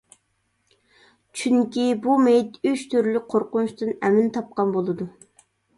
چۈنكى بۇ مېيىت ئۈچ تۈرلۈك قورقۇنچتىن ئەمىن تاپقان بولىدۇ.